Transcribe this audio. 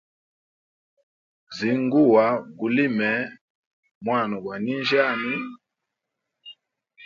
Zinguwa gulime mwna gwa ninjyami.